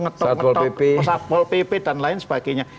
ngetok ngetok saat pol pp dan lain sebagainya